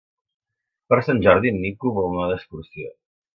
Per Sant Jordi en Nico vol anar d'excursió.